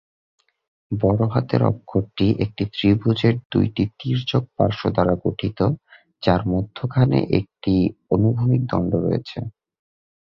বড়ো হাতের অক্ষরটি একটি ত্রিভুজের দুইটি তির্যক পার্শ্ব দ্বারা গঠিত, যার মধ্যখানে একটি অনুভূমিক দণ্ড রয়েছে।